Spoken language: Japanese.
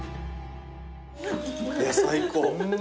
いや最高。